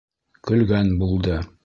Көлгән булды.